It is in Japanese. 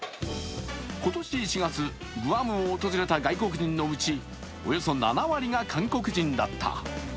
今年１月、グアムを訪れた外国人のうちおよそ７割が韓国人だった。